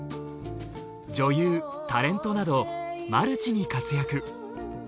女優タレントなどマルチに活躍。